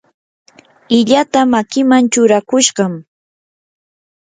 illata makiman churakushaqam.